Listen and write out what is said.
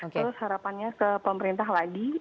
terus harapannya ke pemerintah lagi